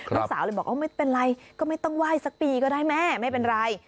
ลูกสาวเลยบอกไม่เป็นไรก็ไม่ต้องไหว้สักปีก็ได้แม่ไม่เป็นไร